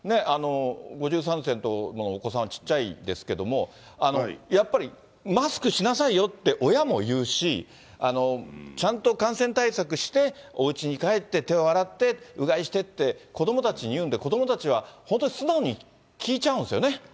５３世のところのお子さんはちっちゃいですけれども、やっぱりマスクしなさいよって親も言うし、ちゃんと感染対策して、おうちに帰って、手を洗って、うがいしてって、子どもたちに言うんで、子どもたちは、本当に素直に聞いちゃうんですよね。